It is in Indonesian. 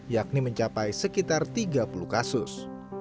yakni mencapai sekitar tiga puluh kasus